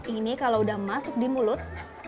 ini kalau udah masuk di mulut